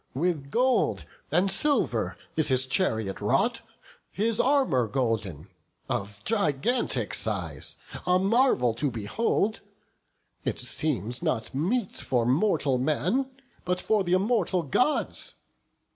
With gold and silver is his chariot wrought, His armour golden, of gigantic size, A marvel to behold! it seems not meet For mortal man, but for th' immortal Gods.